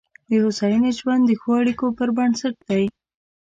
د هوساینې ژوند د ښو اړیکو پر بنسټ دی.